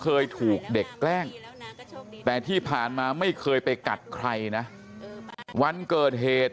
เคยถูกเด็กแกล้งแต่ที่ผ่านมาไม่เคยไปกัดใครนะวันเกิดเหตุ